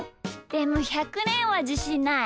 でも１００ねんはじしんない。